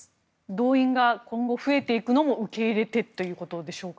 動員が今後増えていくのも受け入れてということでしょうか。